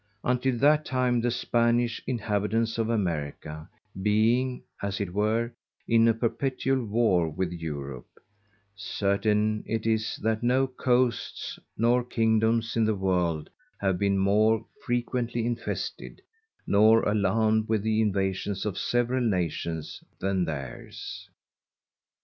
Until that time the Spanish Inhabitants of_ America being, as it were, in a perpetual War with Europe, _certain it is that no Coasts nor Kingdoms in the World have been more frequently infested nor alarm'd with the invasions of several Nations than theirs.